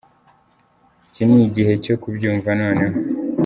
Iki ni gihe cyo kubyumva noneho.”